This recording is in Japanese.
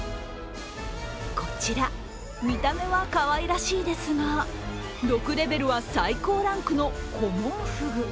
こちら、見た目はかわいらしいですが、毒レベルは最高ランクのコモンフグ。